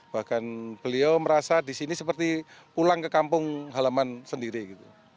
bahkan beliau merasa di sini seperti pulang ke kampung halaman sendiri gitu